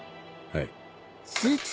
はい。